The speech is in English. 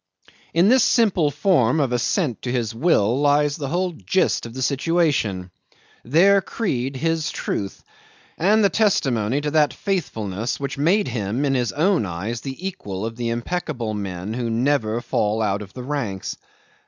'In this simple form of assent to his will lies the whole gist of the situation; their creed, his truth; and the testimony to that faithfulness which made him in his own eyes the equal of the impeccable men who never fall out of the ranks.